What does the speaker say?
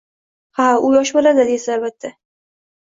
“Ha u yosh bolada! – deysiz albatta